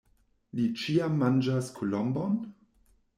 Li ĉiam manĝas kolombon?